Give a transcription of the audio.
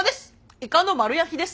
イカの丸焼きです！